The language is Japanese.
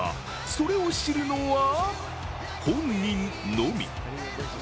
それを知るのは、本人のみ。